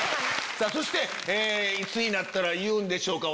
そしていつになったら言うんでしょうか。